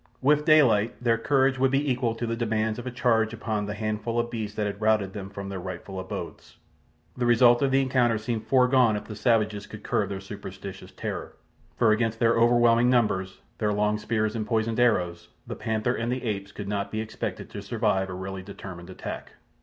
With daylight their courage would be equal to the demands of a charge upon the handful of beasts that had routed them from their rightful abodes. The result of the encounter seemed foregone if the savages could curb their superstitious terror, for against their overwhelming numbers, their long spears and poisoned arrows, the panther and the apes could not be expected to survive a really determined attack.